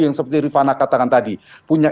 yang seperti rifana katakan tadi punya